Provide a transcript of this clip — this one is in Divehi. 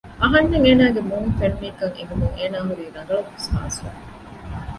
އަހަންނަށް އޭނާގެ މޫނު ފެނުނީކަން އެނގުމުން އޭނާ ހުރީ ރަނގަޅަށްވެސް ހާސްވެފަ